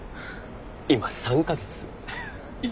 今３か月。